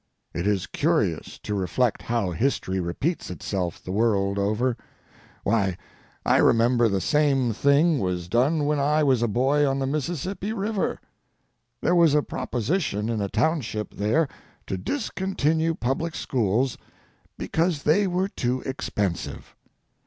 It is curious to reflect how history repeats itself the world over. Why, I remember the same thing was done when I was a boy on the Mississippi River. There was a proposition in a township there to discontinue public schools because they were too expensive.